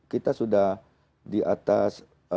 kita sudah di atas